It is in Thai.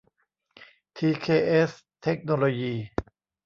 ที เค เอส เทคโนโลยี